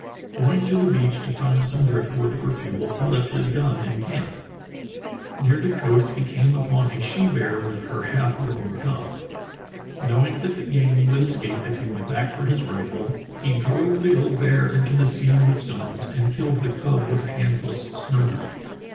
Going to the beach to find some drift wood for fuel he left his gun in camp. Near the coast he came upon a she bear with her half grown cub. Knowing that the game would escape if he went back for his rifle, "he drove the old bear into the sea with stones and killed the cub with a handless snow knife."